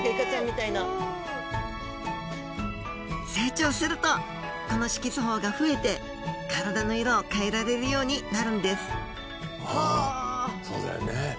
成長するとこの色素胞が増えて体の色を変えられるようになるんですそうだよね。